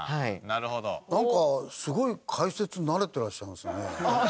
なんかすごい解説慣れてらっしゃいますね。